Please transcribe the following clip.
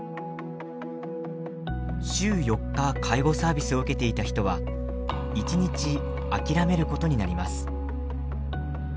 週４日介護サービスを受けていた人は１日諦めることになります。